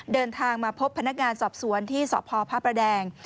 เดินทางมาพบพนักงานสอบสวนที่สพพระประแดง